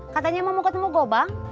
katanya mau ketemu gue bang